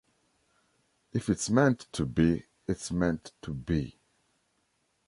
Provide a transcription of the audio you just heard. If it's meant to be, it's meant to be.